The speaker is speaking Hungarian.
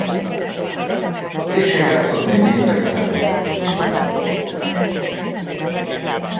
Később játszott még winnipegi szenior csapatokban.